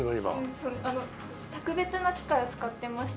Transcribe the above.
特別な機械を使ってまして。